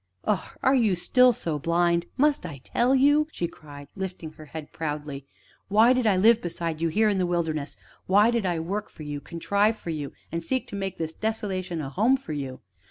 "Oh, are you still so blind? Must I tell you?" she cried, lifting her head proudly. "Why did I live beside you here in the wilderness? Why did I work for you contrive for you and seek to make this desolation a home for you?